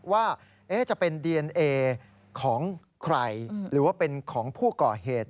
ว่าจะเป็นดีเอนเอของใครหรือว่าเป็นของผู้ก่อเหตุ